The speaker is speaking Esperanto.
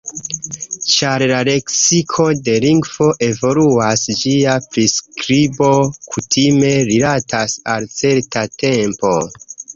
Ĉar la leksiko de lingvo evoluas, ĝia priskribo kutime rilatas al certa tempo.